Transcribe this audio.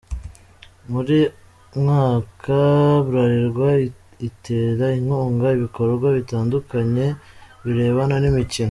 Buri mwaka, Bralirwa itera inkunga ibikorwa bitandukanye birebana n’imikino.